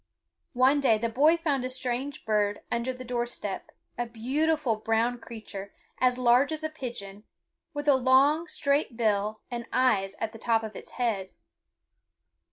One day the boy found a strange bird under the door step, a beautiful brown creature, as large as a pigeon, with a long, straight bill, and eyes at the top of its head.